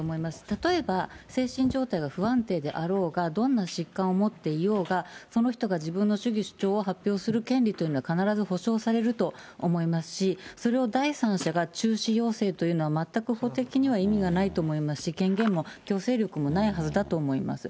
例えば精神状態が不安定であろうが、どんな疾患を持っていようが、その人が自分の主義主張を発表する権利というのは、必ず保障されると思いますし、それを第三者が中止要請というのは全く法的には意味がないと思いますし、権限も強制力もないはずだと思います。